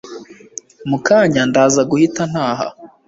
mukanya ndaza guhit ntaha